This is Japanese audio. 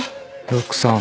陸さん。